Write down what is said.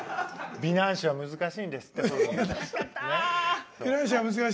美男子は難しいんですって。